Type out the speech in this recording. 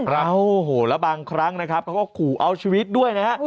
โอ้โหแล้วบางครั้งนะครับเขาก็ขู่เอาชีวิตด้วยนะฮะ